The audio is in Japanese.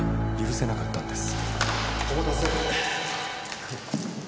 お待たせ。